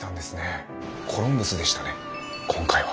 コロンブスでしたね今回は。